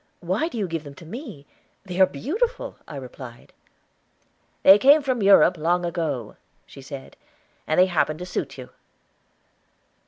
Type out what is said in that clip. Why do you give them to me? They are beautiful," I replied. "They came from Europe long ago," she said. "And they happen to suit you."